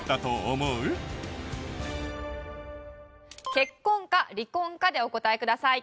結婚か離婚かでお答えください。